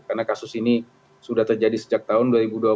karena kasus ini sudah terjadi sejak tahun dua ribu dua puluh